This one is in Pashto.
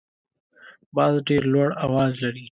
باز ډیر لوړ اواز لري